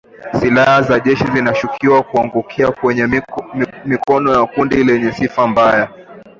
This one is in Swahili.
Silaha za jeshi zinashukiwa kuangukia kwenye mikono ya kundi lenye sifa mbaya